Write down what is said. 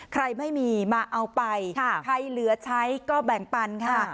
ใครไม่มีมาเอาไปใครเหลือใช้ก็แบ่งปันค่ะ